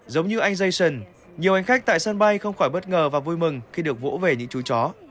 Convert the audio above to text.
giống như anh jason nhiều hành khách tại sân bay không khỏi bất ngờ và vui mừng khi được vỗ về những chú chó